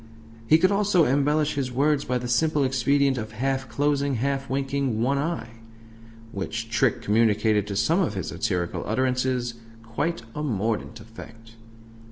He could also "embellish" his words by the simple expedient of half closing, half winking one eye; which trick communicated to some of his satirical utterances quite a mordant effect.